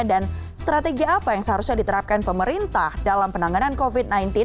dan strategi apa yang seharusnya diterapkan pemerintah dalam penanganan covid sembilan belas